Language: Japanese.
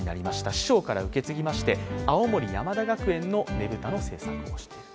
師匠から受け継ぎまして青森山田学園のねぶたを製作している。